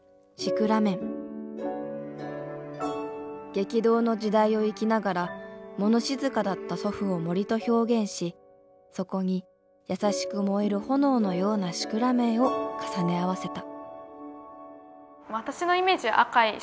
激動の時代を生きながらもの静かだった祖父を森と表現しそこに優しく燃える炎のようなシクラメンを重ね合わせた。